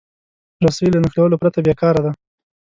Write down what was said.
رسۍ له نښلولو پرته بېکاره ده.